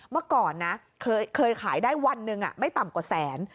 เมื่อก่อนนะเคยขายได้วันหนึ่งไม่ต่ำกว่าแสน